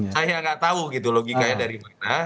saya nggak tahu gitu logikanya dari mana